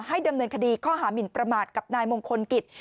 ดำเนินคดีข้อหามินประมาทกับนายมงคลกิจ